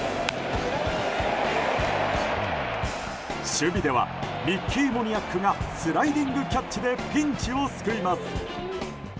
守備ではミッキー・モニアックがスライディングキャッチでピンチを救います。